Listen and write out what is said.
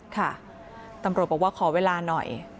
ค่ะตำรวจบอกว่าขอเวลาหน่อย